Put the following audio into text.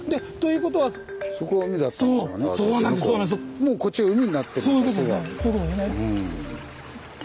もうこっちが海になってる。